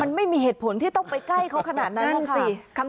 มันไม่มีเหตุผลที่ต้องไปใกล้เขาขนาดนั้นนั่นสิ